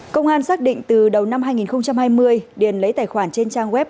công an xác định từ đầu năm hai nghìn hai mươi điền lấy tài khoản trên trang web